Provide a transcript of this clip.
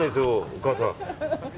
お母さん。